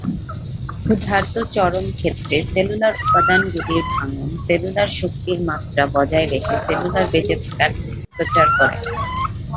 ক্ষুধার্ত চরম ক্ষেত্রে, সেলুলার উপাদানগুলির ভাঙ্গন সেলুলার শক্তির মাত্রা বজায় রেখে সেলুলার বেঁচে থাকার প্রচার করে।